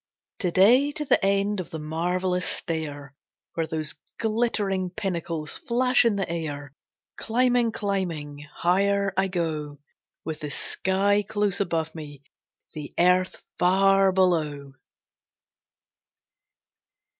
Today to the end of the marvelous stair, Where those glittering pinacles flash in the air! Climbing, climbing, higher I go, With the sky close above me, the earth far below.